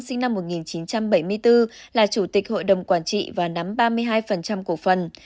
sinh năm một nghìn chín trăm bảy mươi bốn là chủ tịch hội đồng quản trị và nắm ba mươi hai cổ phần